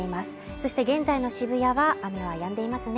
そして現在の渋谷は雨はやんでいますね。